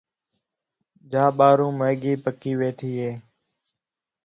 جا ٻاہروں میگی پکئی ویٹھی ہے